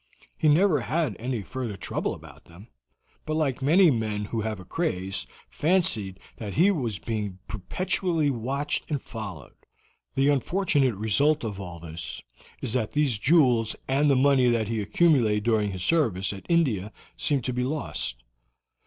He never had any further trouble about them, but like many men who have a craze, fancied that he was being perpetually watched and followed. The unfortunate result of all this is that these jewels and the money that he accumulated during his service in India seem to be lost.